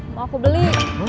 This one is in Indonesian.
mau aku beli